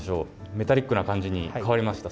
メタリックな感じに変わりました。